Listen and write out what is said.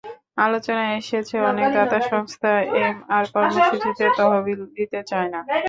আলোচনায় এসেছে, অনেক দাতা সংস্থা এমআর কর্মসূচিতে তহবিল দিতে চায় না।